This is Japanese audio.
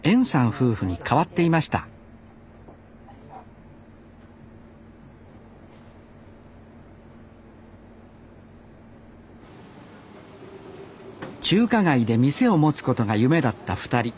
夫婦に変わっていました中華街で店を持つことが夢だった２人。